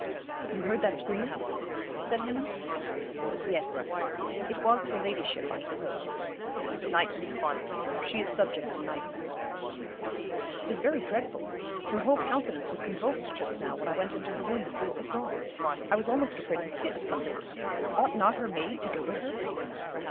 'You heard that scream?' said Hammond. 'Yes. It was her ladyship, I suppose. Nightmare. She is subject to nightmare.' 'It is very dreadful. Her whole countenance was convulsed just now, when I went into her room to see what was wrong. I was almost afraid of a fit of some kind. Ought not her maid to go to her?'